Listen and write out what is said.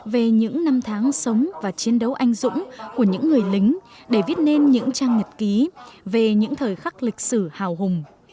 về những năm tháng sống và chiến đấu anh dũng của những người lính để viết nên những trang nhật ký về những thời khắc lịch sử hào hùng